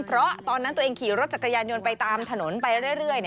เพราะตอนนั้นตัวเองขี่รถจักรยานยนต์ไปตามถนนไปเรื่อย